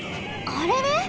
あれれ？